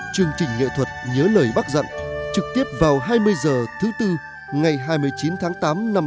chương trình nghệ thuật nhớ lời bác dặn trực tiếp vào hai mươi h thứ tư ngày hai mươi chín tháng tám năm hai nghìn một mươi chín